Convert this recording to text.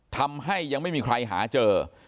ทำให้ยังไม่มีใครหาเจอ